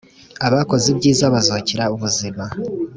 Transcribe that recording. abakoze ibyiza bazukira ubuzima